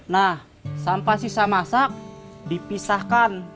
nah sampah sisa masak dipisahkan